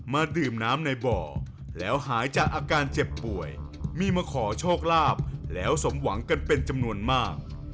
มาดื่มน้ำในบ่อแล้วหายจากอาการเจ็บป่วยมีมาขอโชคลาภแล้วสมหวังกันเป็นจำนวนมาก